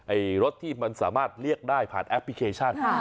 รถที่มันสามารถเรียกได้ผ่านแอปพลิเคชัน